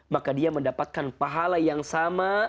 maka dia mendapatkan pahala yang sama